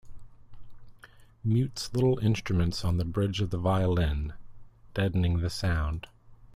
Mutes little instruments on the bridge of the violin, deadening the sound.